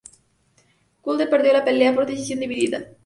Woodley perdió la pelea por decisión dividida.